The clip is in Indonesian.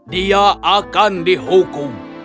dia akan dihukum